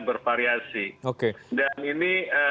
bervariasi dan ini